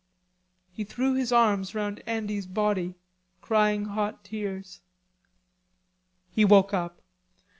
He threw his arms round Andy's body, crying hot tears.... He woke up.